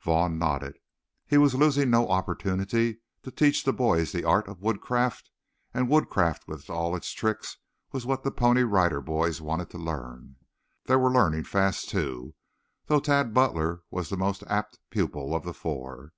Vaughn nodded. He was losing no opportunity to teach the boys the art of woodcraft, and woodcraft, with all its tricks, was what the Pony Rider Boys wanted to learn. They were learning fast, too, though Tad Butler was the most apt pupil of the four.